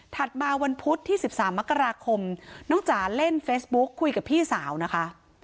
มาวันพุธที่๑๓มกราคมน้องจ๋าเล่นเฟซบุ๊คคุยกับพี่สาวนะคะ